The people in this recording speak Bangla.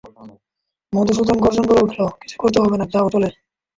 মধুসূদন গর্জন করে উঠল, কিছু করতে হবে না, যাও চলে!